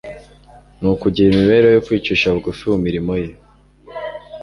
ni ukugira imibereho yo kwicisha bugufi mu mirimo ye.